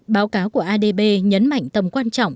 báo cáo của adb nhấn mạnh tầm quan trọng